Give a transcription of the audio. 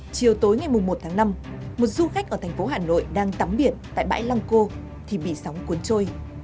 chiều tối ngày một tháng năm một du khách ở thành phố hà nội đang tắm biển tại bãi lăng cô thì bị sóng cuốn trôi